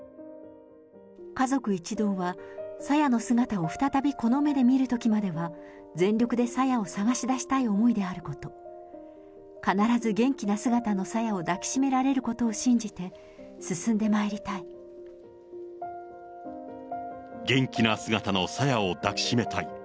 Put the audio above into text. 家族一同は、朝芽の姿を再びこの目で見るときまでは全力で朝芽を捜し出したい思いであること、必ず元気な姿の朝芽を抱きしめられることを信じて進んでまいりた元気な姿の朝芽を抱きしめたい。